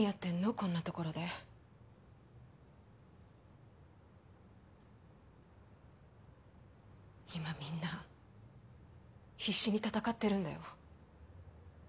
こんな所で今みんな必死に戦ってるんだよ